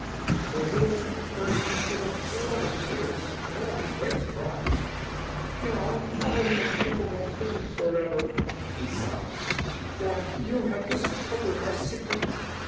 The Wheeler burst into a flood of tears, to Dorothy's great surprise. "Now I and my people are ruined forever!" he sobbed; "for you have discovered our secret.